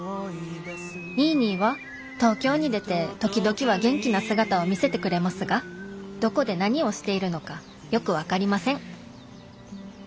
ニーニーは東京に出て時々は元気な姿を見せてくれますがどこで何をしているのかよく分かりません。